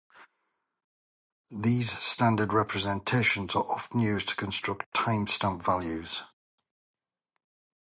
These standard representations are often used to construct timestamp values.